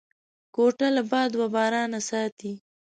کوټه له باد و بارانه ساتي.